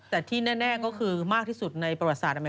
แต่ที่แน่ก็คือมากที่สุดในประวัติศาสตอเม